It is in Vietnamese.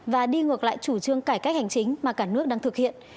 và đi ngược lại chủ trương cải cách hành chính mà cả nước đang thực hiện